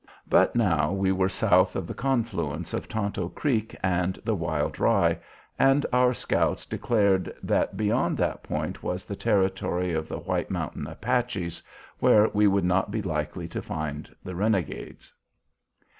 But now we were south of the confluence of Tonto Creek and the Wild Rye, and our scouts declared that beyond that point was the territory of the White Mountain Apaches, where we would not be likely to find the renegades.